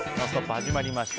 始まりました。